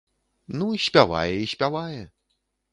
Ну, спявае і спявае.